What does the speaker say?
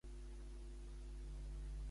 Què du, si té forma humana?